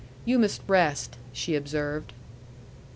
"You must rest," she observed.